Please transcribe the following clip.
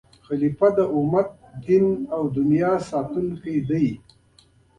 خلیفه د امت د دین او دنیا ساتونکی دی.